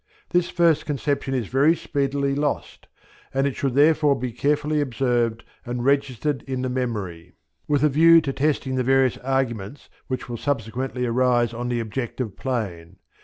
This first conception is very speedily lost, and it should therefore be carefully observed and registered in the memory with a view to testing the various arguments which will subsequently arise on the objective plane.